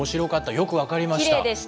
よく分かりました。